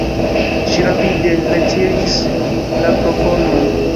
Ŝi rapide retiris la proponon.